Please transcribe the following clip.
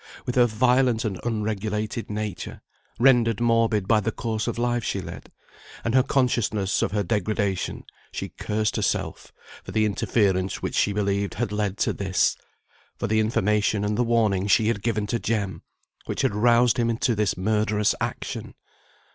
With her violent and unregulated nature, rendered morbid by the course of life she led, and her consciousness of her degradation, she cursed herself for the interference which she believed had led to this; for the information and the warning she had given to Jem, which had roused him to this murderous action.